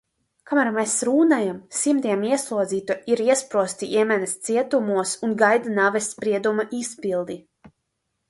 Kamēr mēs runājam, simtiem ieslodzīto ir iesprostoti Jemenas cietumos un gaida nāves sprieduma izpildi.